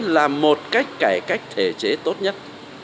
là một cách cải cách thể chế tốt nhất